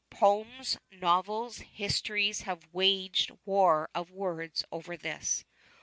Poems, novels, histories have waged war of words over this.